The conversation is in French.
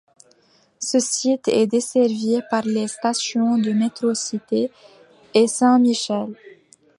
Ce site est desservi par les stations de métro Cité et Saint-Michel.